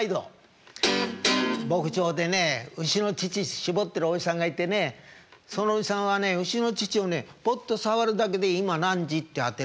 牧場でね牛の乳搾ってるおじさんがいてねそのおじさんはね牛の乳をねポッと触るだけで今何時って当てるんですよ。